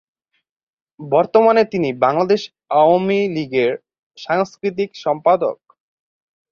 বর্তমানে তিনি বাংলাদেশ আওয়ামী লীগের সাংস্কৃতিক সম্পাদক।